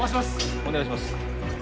お願いします